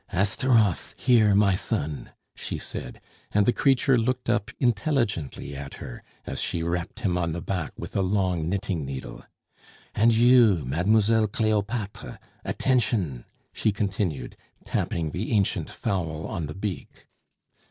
"Astaroth! here, my son!" she said, and the creature looked up intelligently at her as she rapped him on the back with a long knitting needle. "And you, Mademoiselle Cleopatre! attention!" she continued, tapping the ancient fowl on the beak.